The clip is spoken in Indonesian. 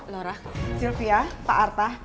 laura sylvia pak arta